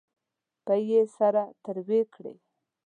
پۍ یې سره تروې کړې.